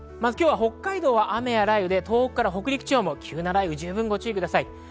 北海道は雨や雷雨で東北から北陸地方も急な雷雨に注意してください。